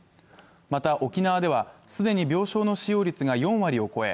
また、沖縄では既に病床の使用率が４割を超え